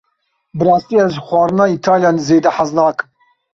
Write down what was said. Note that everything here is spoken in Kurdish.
Bi rastî ez ji xwarina Îtalyanî zêde hez nakim.